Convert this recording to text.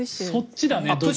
そっちだね